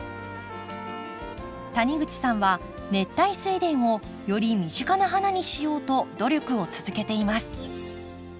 谷口さんは熱帯スイレンをより身近な花にしようと努力を続けています。